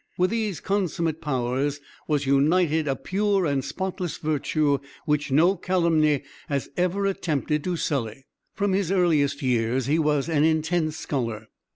With these consummate powers was united a pure and spotless virtue which no calumny has ever attempted to sully." From his earliest years he was an intense scholar.